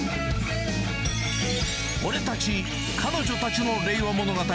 俺たち、彼女たちの令和物語。